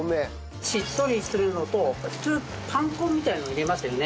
しっとりするのと普通パン粉みたいなのを入れますよね。